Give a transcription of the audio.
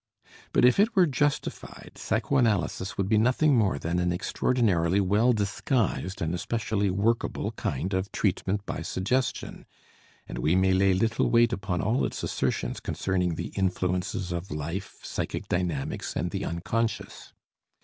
But if it were justified, psychoanalysis would be nothing more than an extraordinarily well disguised and especially workable kind of treatment by suggestion, and we may lay little weight upon all its assertions concerning the influences of life, psychic dynamics, and the unconscious.